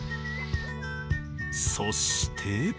そして。